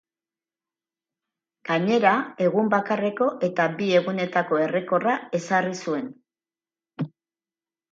Gainera egun bakarreko eta bi egunetako errekorra ezarri zuen.